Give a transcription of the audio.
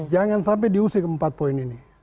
jangan sampai diusik empat poin ini